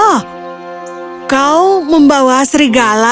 oh kau membawa serigala